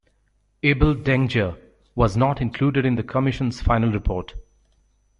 Able Danger was not included in the Commission's final report.